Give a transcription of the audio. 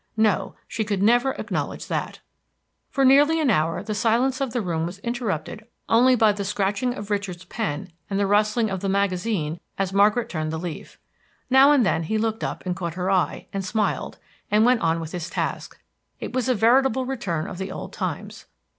No, she could never acknowledge that. For nearly an hour the silence of the room was interrupted only by the scratching of Richard's pen and the rustling of the magazine as Margaret turned the leaf. Now and then he looked up and caught her eye, and smiled, and went on with his task. It was a veritable return of the old times.